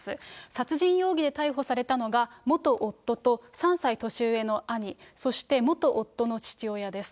殺人容疑で逮捕されたのが、元夫と３歳年上の兄、そして元夫の父親です。